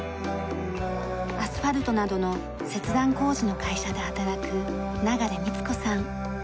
アスファルトなどの切断工事の会社で働く流美津子さん。